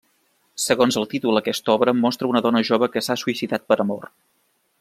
Segons el títol aquesta obra mostra una dona jove que s'ha suïcidat per amor.